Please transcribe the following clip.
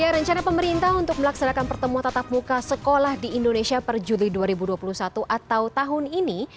rencana pemerintah untuk melaksanakan pertemuan tatap muka sekolah di indonesia per juli dua ribu dua puluh satu atau tahun ini